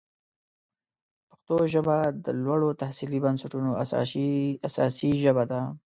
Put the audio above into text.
پښتو ژبه د لوړو تحصیلي بنسټونو اساسي ژبه نه ده.